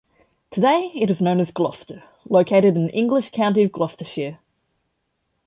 Today, it is known as Gloucester, located in the English county of Gloucestershire.